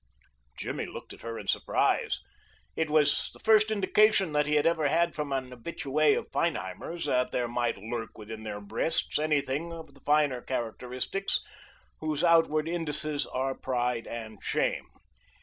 Jimmy looked at her in surprise. It was the first indication that he had ever had from an habitue of Feinheimer's that there might lurk within their breasts any of the finer characteristics whose outward indices are pride and shame.